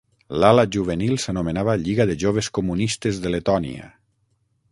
L'ala juvenil s'anomenava Lliga de Joves Comunistes de Letònia.